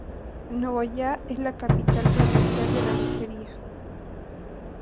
Nogoyá es la "Capital provincial de la lechería".